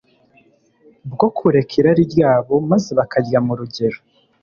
bwo kureka irari ryabo, maze bakarya mu rugero,